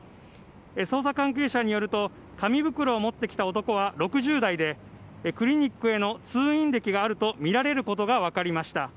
捜査関係者によると紙袋を持ってきた男は６０代でクリニックへの通院歴があるとみられることが分かりました。